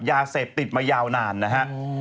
ยาเสพติดมายาวนานนะฮะ